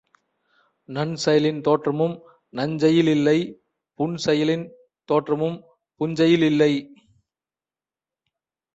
நன்செயலின் தோற்றமும் நஞ்சையிலில்லை புன்செயலின் தோற்றமும் புஞ்சையிலில்லை.